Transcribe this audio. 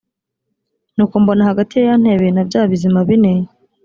nuko mbona hagati ya ya ntebe na bya bizima bine